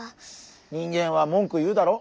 人間は文句言うだろ？